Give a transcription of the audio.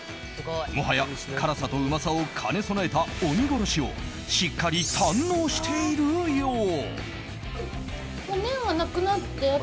もはや辛さとうまさを兼ね備えた鬼殺しをしっかり堪能しているよう。